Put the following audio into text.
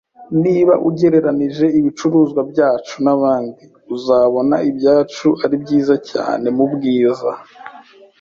Niba ugereranije ibicuruzwa byacu nabandi, uzabona ibyacu ari byiza cyane mubwiza